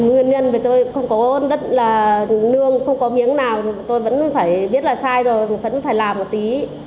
nguyên nhân về tôi không có đất là nương không có miếng nào tôi vẫn phải biết là sai rồi